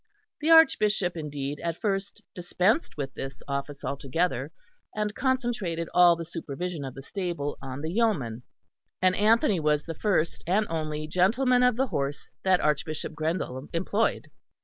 The Archbishop indeed at first dispensed with this office altogether, and concentrated all the supervision of the stable on the yeoman, and Anthony was the first and only Gentleman of the Horse that Archbishop Grindal employed.